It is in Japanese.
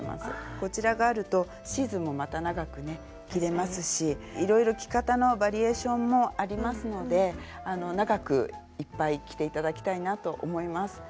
こちらがあるとシーズンもまた長くね着れますしいろいろ着方のバリエーションもありますので長くいっぱい着て頂きたいなと思います。